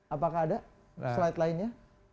apakah ada slide lainnya